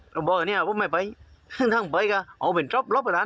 เราจะไปก็เอาเป็นช็อปแบบนั้น